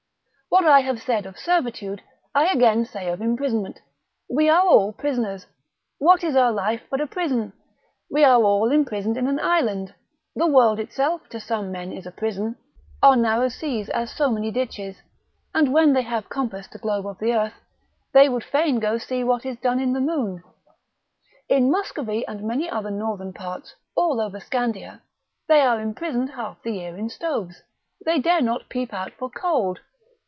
What I have said of servitude, I again say of imprisonment, we are all prisoners. What is our life but a prison? We are all imprisoned in an island. The world itself to some men is a prison, our narrow seas as so many ditches, and when they have compassed the globe of the earth, they would fain go see what is done in the moon. In Muscovy and many other northern parts, all over Scandia, they are imprisoned half the year in stoves, they dare not peep out for cold.